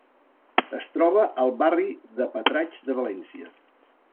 Es troba al barri de Patraix de València.